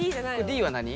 「Ｄ」は何？